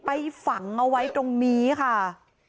ไปฝังเอาไว้ตรงนี้ค่ะ